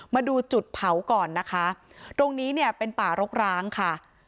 มาดูจุดเผาก่อนนะคะตรงนี้เนี่ยเป็นป่ารกร้างค่ะ